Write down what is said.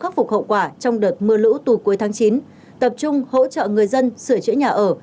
khắc phục hậu quả trong đợt mưa lũ từ cuối tháng chín tập trung hỗ trợ người dân sửa chữa nhà ở